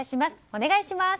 お願いします。